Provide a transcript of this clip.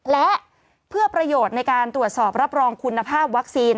และเพื่อประโยชน์ในการตรวจสอบรับรองคุณภาพวัคซีน